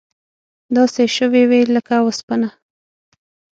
داسې شوي وې لکه وسپنه.